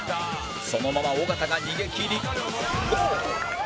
そのまま尾形が逃げ切りゴール